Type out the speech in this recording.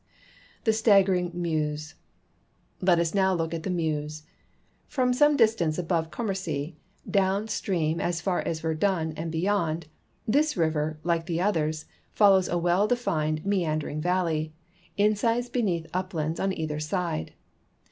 Tlte staggering Mease. — Let us now look at the INIeuse. From some distance above Commercy, down stream as far as Verdun and beyond, this river, like the others, follows a well defined meandering valley, incised beneath uplands on either side.